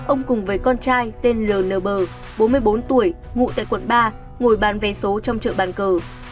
ông cùng với con trai tên l n b bốn mươi bốn tuổi ngụ tại quận ba ngồi bàn vé số trong chợ bàn cờ